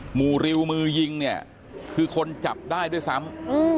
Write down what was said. หมู่ริวมือยิงเนี่ยคือคนจับได้ด้วยซ้ำ